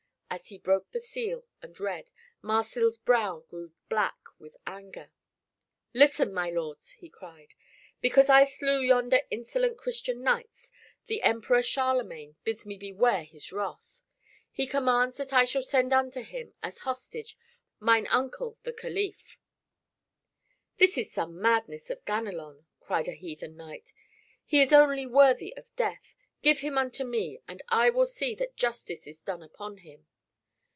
As he broke the seal and read, Marsil's brow grew black with anger. "Listen, my lords," he cried; "because I slew yonder insolent Christian knights, the Emperor Charlemagne bids me beware his wrath. He commands that I shall send unto him as hostage mine uncle the calif." "This is some madness of Ganelon!" cried a heathen knight. "He is only worthy of death. Give him unto me, and I will see that justice is done upon him."